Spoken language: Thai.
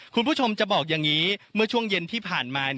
คุณผู้ชมจะบอกอย่างนี้เมื่อช่วงเย็นที่ผ่านมา